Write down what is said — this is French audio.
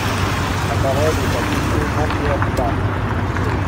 La parole est à Monsieur Jean-Pierre Barbier.